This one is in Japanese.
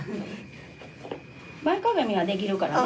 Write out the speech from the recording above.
・前かがみはできるからね。